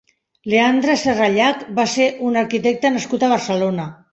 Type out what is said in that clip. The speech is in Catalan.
Leandre Serrallach va ser un arquitecte nascut a Barcelona.